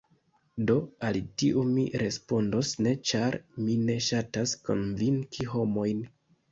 Do, al tiu mi respondos ‘ne’ ĉar mi ne ŝatas konvinki homojn